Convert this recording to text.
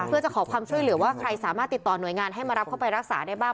เพื่อจะขอความช่วยเหลือว่าใครสามารถติดต่อหน่วยงานให้มารับเข้าไปรักษาได้บ้าง